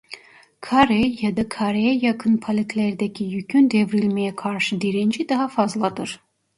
Kare ya da kareye yakın paletlerdeki yükün devrilmeye karşı direnci daha fazladır.